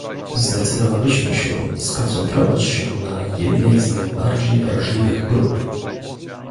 Zdecydowaliśmy się skoncentrować się na jednej z najbardziej wrażliwych grup